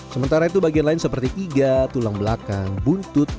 sementara itu bagian lain seperti iga tulang belakang buntut